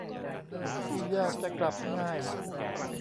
ที่ยากจะกลับง่าย